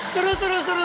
seru seru seru